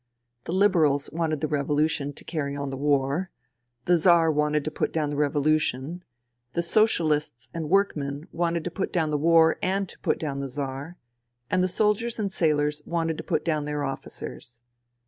The Liberals wanted the revolution to carry on the war ; the Czar wanted to put down the revolution ; the Sociahsts and workmen wanted to put down the war and to put down the Czar ; and the soldiers and sailors wanted to put down their officers.